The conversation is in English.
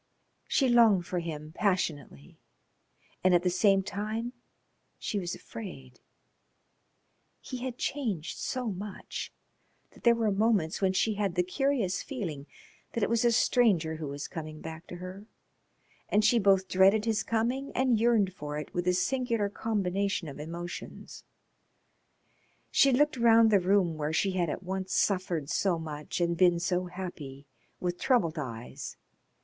She longed for him passionately, and at the same time she was afraid, He had changed so much that there were moments when she had the curious feeling that it was a stranger who was coming back to her, and she both dreaded his coming and yearned for it with a singular combination of emotions. She looked round the room where she had at once suffered so much and been so happy with troubled eyes.